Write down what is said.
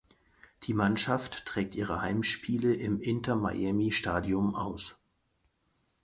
Die Mannschaft trägt ihre Heimspiele im Inter Miami Stadium aus.